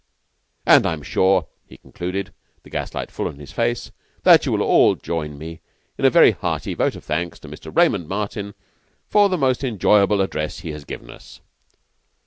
"And I am sure," he concluded, the gaslight full on his face, "that you will all join me in a very hearty vote of thanks to Mr. Raymond Martin for the most enjoyable address he has given us."